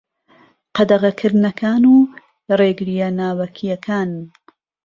قەدەغەکردنەکان و رێگریە ناوەکیەکان